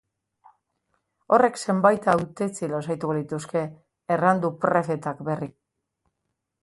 Horrek zenbait hautetsi lasaituko lituzke, erran du prefetak berriki.